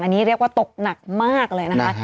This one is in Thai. อันนี้เรียกว่าตกหนักมากเลยนะคะ